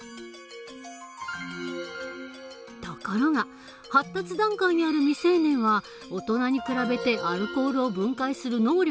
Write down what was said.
ところが発達段階にある未成年は大人に比べてアルコールを分解する能力が弱い。